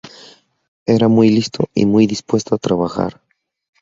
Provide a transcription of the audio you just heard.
Era muy listo y muy dispuesto a trabajar.